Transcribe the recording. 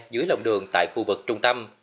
dưới lòng đường tại khu vực trung tâm